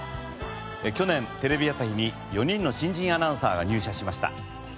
去年テレビ朝日に４人の新人アナウンサーが入社しました。